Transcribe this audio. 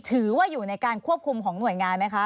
ถือว่าอยู่ในการควบคุมของหน่วยงานไหมคะ